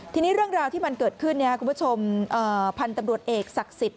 ทีนี้เรื่องราวที่มันเกิดขึ้นคุณผู้ชมพันธุ์ตำรวจเอกศักดิ์สิทธิ